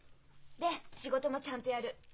で仕事もちゃんとやる。